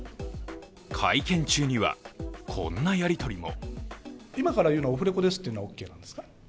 会見中には、こんなやり取りも。